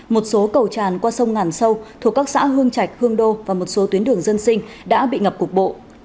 một số cầu tràn qua sông ngàn sâu thuộc các xã hương trạch hương đô và một số tuyến đường dân sinh đã bị ngập cục bộ